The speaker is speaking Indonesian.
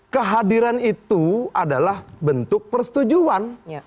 kehadiran itu adalah bentuk persetujuan